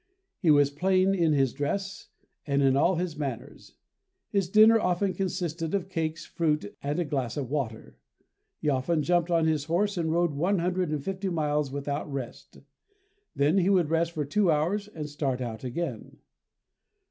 He was plain in his dress and in all his manners. His dinner often consisted of cakes, fruit and a glass of water. He often jumped on his horse and rode one hundred and fifty miles without rest. Then he would rest for two hours and start out again.